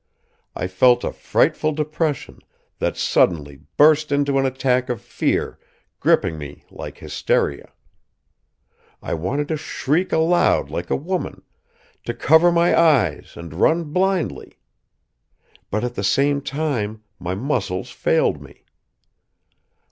I felt a frightful depression, that suddenly burst into an attack of fear gripping me like hysteria. I wanted to shriek aloud like a woman, to cover my eyes and run blindly. But at the same time my muscles failed me.